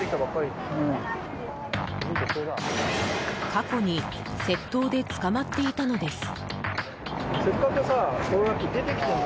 過去に窃盗で捕まっていたのです。